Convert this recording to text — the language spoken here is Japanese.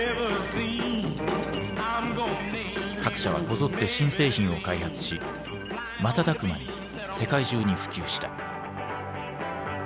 各社はこぞって新製品を開発し瞬く間に世界中に普及した。